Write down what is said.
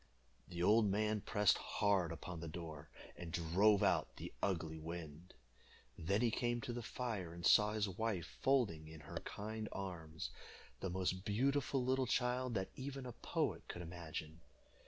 The old man pressed hard upon the door, and drove out the ugly wind. Then he came to the fire, and saw his wife folding in her kind arms the most beautiful little child that even a poet could imagine.